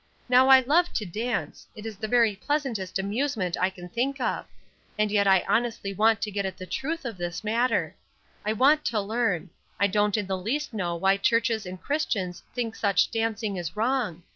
Now I love to dance; it is the very pleasantest amusement I can think of; and yet I honestly want to get at the truth of this matter; I want to learn; I don't in the least know why churches and Christians think such dancing is wrong.